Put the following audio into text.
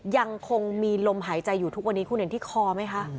ยังคงมีลมหายใจอยู่ทุกวันนี้คุณเห็นที่คอไหมคะ